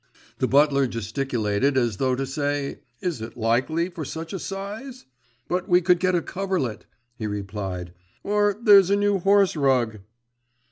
The butler gesticulated as though to say, Is it likely for such a size?… 'But we could get a coverlet,' he replied, 'or, there's a new horse rug.